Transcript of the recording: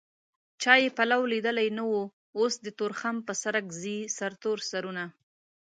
چا يې پلو ليدلی نه و اوس د تورخم په سرک ځي سرتور سرونه